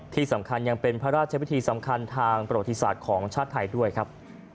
ที่สำคัญยังเป็นพระราชพิธีสำคัญทางประวัติศาสตร์ของชาติไทยด้วยครับ